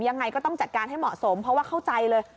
ยังไงก็ต้องจัดการให้เหมาะสมเพราะว่าเข้าใจเลย